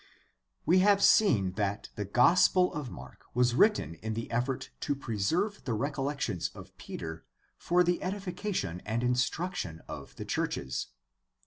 We have seen that the Gospel of Mark was written in the effort to preserve the recollections of Peter for the edification and instruction of the churches.